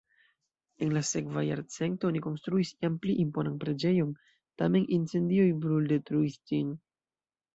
En la sekva jarcento oni konstruis jam pli imponan preĝejon, tamen incendioj bruldetruis ĝin.